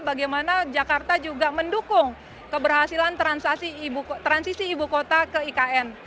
bagaimana jakarta juga mendukung keberhasilan transisi ibu kota ke ikn